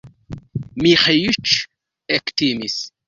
Miĥeiĉ ektimis.